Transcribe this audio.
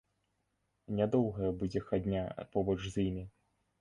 Нядоўгая будзе хадня побач з імі.